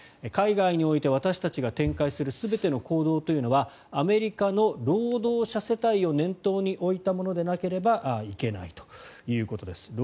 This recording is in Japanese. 海外において私たちが展開する全ての行動というのはアメリカの労働者世帯を念頭に置いたものでなければいけないということです。